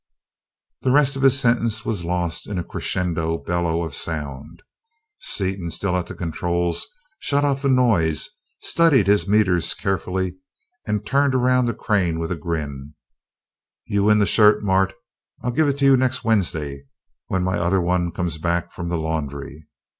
The rest of his sentence was lost in a crescendo bellow of sound. Seaton, still at the controls, shut off the noise, studied his meters carefully, and turned around to Crane with a grin. "You win the shirt, Mart. I'll give it to you next Wednesday, when my other one comes back from the laundry.